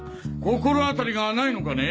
心あたりがないのかね？